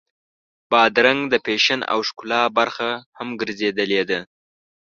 بادرنګ د فیشن او ښکلا برخه هم ګرځېدلې ده.